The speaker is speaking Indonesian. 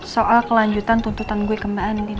soal kelanjutan tuntutan gue ke mbak andi